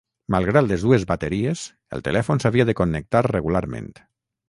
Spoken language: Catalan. Malgrat les dues bateries, el telèfon s'havia de connectar regularment.